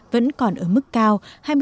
vẫn còn ở mức cao hai mươi bốn ba